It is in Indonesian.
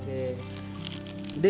ini kan sudah